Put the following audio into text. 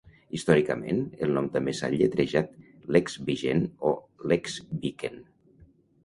Històricament, el nom també s'ha lletrejat "Lexvigen" o "Leksviken".